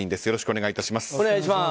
よろしくお願いします。